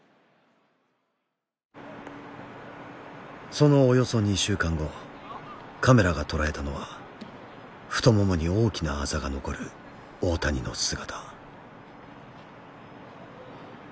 そのおよそ２週間後カメラが捉えたのは太ももに大きなアザが残る大谷の姿。